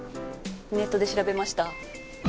ネットで調べました。